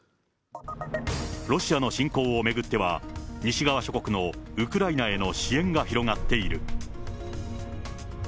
ロシアの侵攻を巡っては、西側諸国のウクライナへの支援が広がっている。